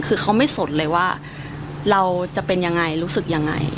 คือเขาไม่สนเลยว่าเราจะเป็นยังไงรู้สึกยังไง